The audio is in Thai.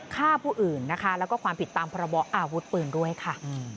ฆ่าผู้อื่นนะคะแล้วก็ความผิดตามพรบอาวุธปืนด้วยค่ะ